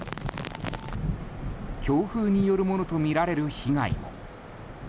強風によるものとみられる被害も。